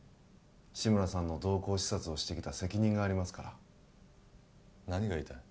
志村さんの動向視察をしてきた責任がありますから何が言いたい？